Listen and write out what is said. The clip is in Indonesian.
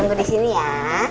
tunggu di sini ya